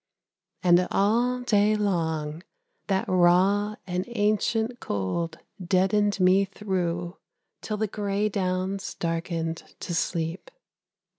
And all day long that raw and ancient cold Deadened me through, till the grey downs darkened to sleep.